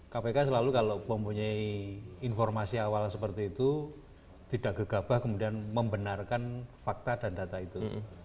kpk selalu kalau mempunyai informasi awal seperti itu tidak gegabah kemudian membenarkan fakta dan data itu